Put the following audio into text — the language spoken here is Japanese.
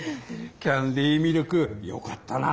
キャンディミルクよかったな。